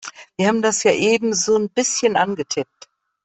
Wir haben das ja eben so'n bisschen angetippt.